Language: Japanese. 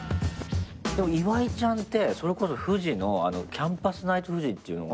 岩井ちゃんってそれこそフジの『キャンパスナイトフジ』っていうのがあって。